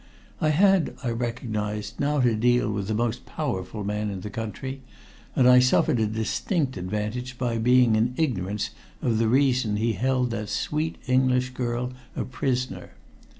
I had, I recognized, now to deal with the most powerful man in that country, and I suffered a distinct disadvantage by being in ignorance of the reason he held that sweet English girl a prisoner.